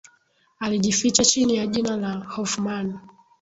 alijificha chini ya jina la hoffman